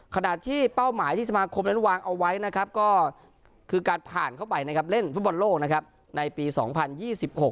ขณะที่เป้าหมายที่สมาคมนั้นวางเอาไว้นะครับก็คือการผ่านเข้าไปนะครับเล่นฟุตบอลโลกนะครับในปีสองพันยี่สิบหก